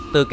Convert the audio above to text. từ các nhà